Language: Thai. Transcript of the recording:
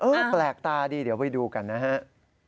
เออแปลกตาดีเดี๋ยวไปดูกันนะครับ